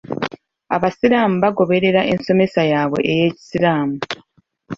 Abasiraamu bagoberera ensomesa yabwe ey'ekisiraamu.